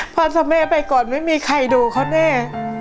พ่อแม่ไปก่อนไม่มีใครดูเขาแน่